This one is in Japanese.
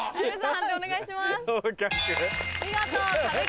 判定お願いします。